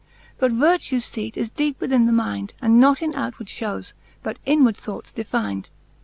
But vertue's feat is deepe within the mynd, And not in outward fhows, but inward thoughts defynd.